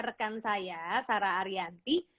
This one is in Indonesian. rekan saya sarah ariyanti